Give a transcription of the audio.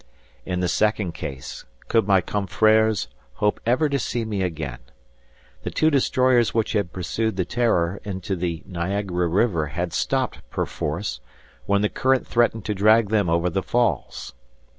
In the second case, could my confreres hope ever to see me again? The two destroyers which had pursued the "Terror" into the Niagara River had stopped, perforce, when the current threatened to drag them over the falls.